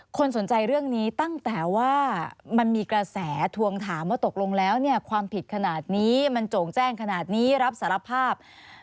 คนสนใจเรื่องนี้ตั้งแต่ว่ามันมีกระแสทวงถามว่าตกลงแล้วเนี่ยความผิดขนาดนี้มันโจ่งแจ้งขนาดนี้รับสารภาพ